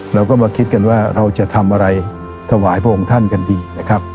เราก็มาคิดกันว่าเราจะทำอะไรถวายพระองค์ท่านกันดีนะครับ